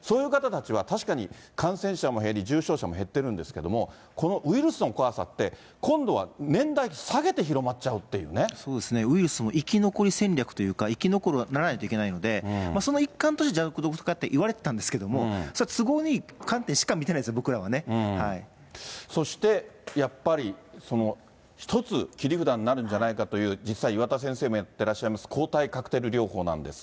そういう方たちは確かに感染者も減り、重症者も減ってるんですけども、このウイルスの怖さって、今度は年代下げて広まっちゃうっそうですね、ウイルスも生き残り戦略というか、生き残らないといけないので、その一環として弱毒化っていわれてたんですけども、それ、都合のいい観点しか見てないんですよね、僕らはね。そして、やっぱり、ひとつ切り札になるんじゃないかっていわれる実際岩田先生もやってらっしゃいます抗体カクテル療法なんですが。